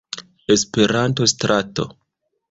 Esperanto-Strato.